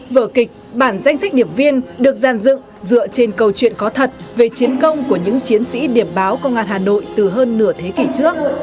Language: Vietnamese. vở kịch bản danh sách điệp viên được giàn dựng dựa trên câu chuyện có thật về chiến công của những chiến sĩ điệp báo công an hà nội từ hơn nửa thế kỷ trước